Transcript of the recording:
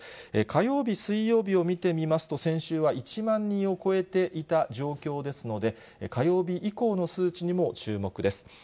火曜日、水曜日を見てみますと、先週は１万人を超えていた状況ですので、火曜日以降の数値にも注目です。